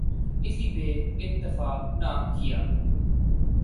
اسی پہ اکتفا نہ کیا۔